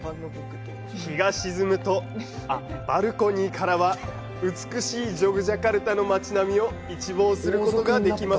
バルコニーからは美しいジョグジャカルタの街並みを一望することができます。